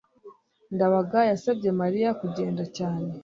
ndabaga yasabye mariya kugenda cyane